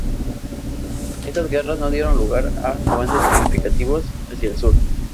Estas guerras no dieron lugar a avances significativos hacia el sur.